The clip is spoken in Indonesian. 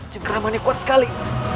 cengkramannya kuat sekali